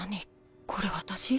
これ私？